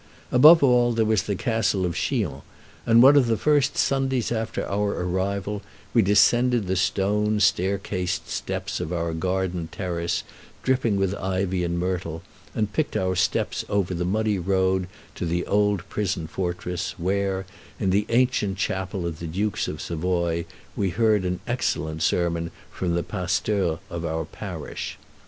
Above all, there was the Castle of Chillon; and one of the first Sundays after our arrival we descended the stone staircased steps of our gardened terrace, dripping with ivy and myrtle, and picked our steps over the muddy road to the old prison fortress, where, in the ancient chapel of the Dukes of Savoy, we heard an excellent sermon from the pasteur of our parish.